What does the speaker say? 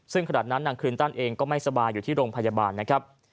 ซึ่งขณะนั้นนางคลินตันเองก็ไม่สบายอยู่ที่โรงพยาบาลนะครับ